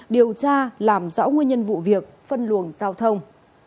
điều tra làm rõ nguyên nhân vụ việc phân luồng giao thông